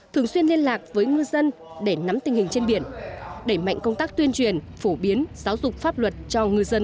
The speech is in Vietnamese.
thường xuyên liên lạc với ngư dân để nắm tình hình trên biển đẩy mạnh công tác tuyên truyền phổ biến giáo dục pháp luật cho ngư dân